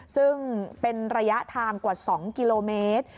ซึ่งเป็นระยะทางกว่า๒กิโลเมตร